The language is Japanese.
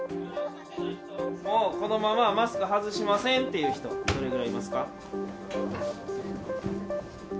もうこのままマスク外しませんっていう人、どれぐらいいますか？